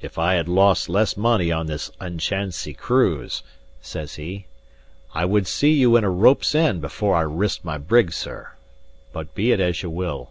"If I had lost less money on this unchancy cruise," says he, "I would see you in a rope's end before I risked my brig, sir. But be it as ye will.